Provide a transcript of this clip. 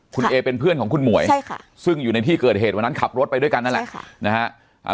คุณเอเป็นเพื่อนของคุณหมวยใช่ค่ะซึ่งอยู่ในที่เกิดเหตุวันนั้นขับรถไปด้วยกันนั่นแหละค่ะนะฮะ